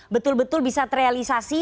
betul betul bisa terrealisasi